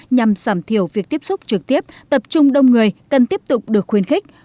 nhằm giảm thiểu việc tiếp xúc trực tiếp tập trung đông người cần tiếp tục được khuyến khích